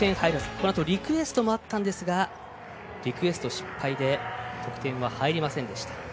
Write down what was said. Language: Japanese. このあとリクエストもあったんですがリクエスト失敗で得点は入りませんでした。